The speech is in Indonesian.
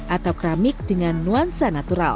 atau keramik dengan nuansa natural